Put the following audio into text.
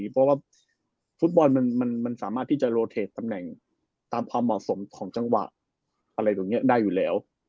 เพราะว่าฟุตบอลมันสามารถที่จะโลเทดตำแหน่งตามความเหมาะสมของจังหวะอะไรตรงนี้ได้อยู่แล้ว